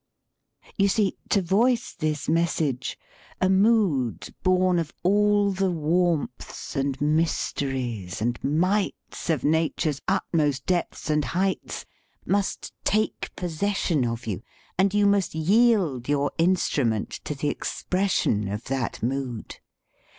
You see, to voice this message, a mood born of all the " warmths and mysteries and mights of Nature's utmost depths and heights" must take possession of you, and you must yield your instrument to the expression of that mood.